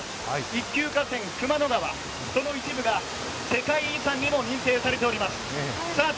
一級河川、熊野川、その一部が世界遺産にも認定されております。